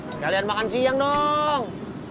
sekalian makan siang dong